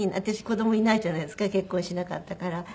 私子どもいないじゃないですか結婚しなかったから。